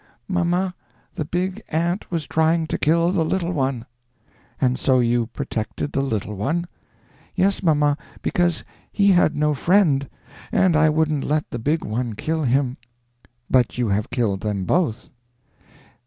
"Mamma, the big ant was trying to kill the little one." "And so you protected the little one." "Yes, mamma, because he had no friend, and I wouldn't let the big one kill him." "But you have killed them both."